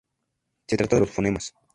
Se trata de los fonemas.